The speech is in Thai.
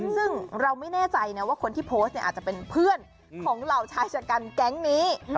ซึ่งเราไม่แน่ใจนะว่าคนที่โพสต์เนี่ยอาจจะเป็นเพื่อนของเหล่าชายชะกันแก๊งนี้